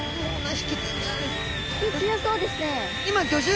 引き強そうですね。